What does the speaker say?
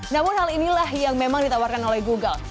namun hal inilah yang memang ditawarkan oleh google